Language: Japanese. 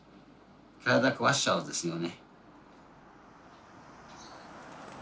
体壊しちゃうんですよね。